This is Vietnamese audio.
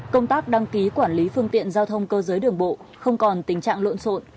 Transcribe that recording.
công tác đăng ký quản lý phương tiện giao thông cơ giới đường bộ không còn tình trạng lộn xộn